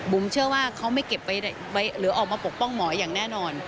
เชื่อว่าเขาไม่เก็บไว้หรือออกมาปกป้องหมออย่างแน่นอน